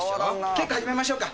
稽古始めましょうか。